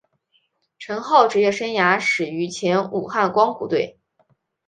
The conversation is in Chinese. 陈浩职业生涯始于前武汉光谷队。